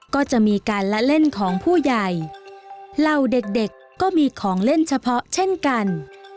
ก็จะมีการละเล่นของผู้ใหญ่เหล่าเด็กเด็กก็มีของเล่นเฉพาะเช่นกัน